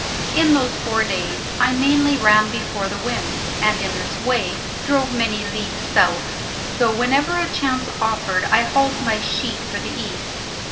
In those four days I mainly ran before the wind, and in this way drove many leagues south, though whenever a chance offered I hauled my sheet for the east.